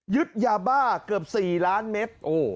ยาบ้าเกือบ๔ล้านเมตร